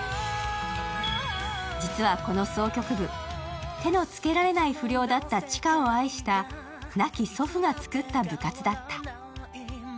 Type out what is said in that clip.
実は、この箏曲部、手のつけられない不良だった愛を愛した亡き祖父が作った部活だった。